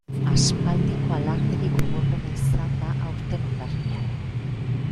Aspaldiko alarderik gogorrena izan da aurten Hondarribian.